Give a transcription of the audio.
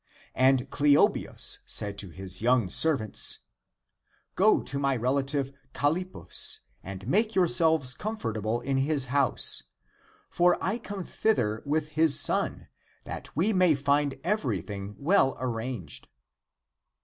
And Cleo bius said to his young servants, " Go to my relative Callippus and make yourselves comfortable in his house — for I come thither with his son — that we may find everything well arranged